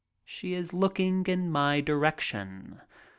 She is looking in my direction.